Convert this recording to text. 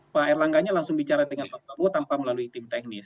pak erlangganya langsung bicara dengan pak prabowo tanpa melalui tim teknis